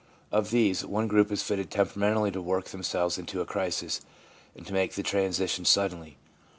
Of these, one group is fitted tempera mentally to work themselves into a crisis, and to make the transition suddenly.